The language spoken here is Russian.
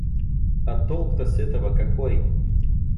А толк-то с этого какой?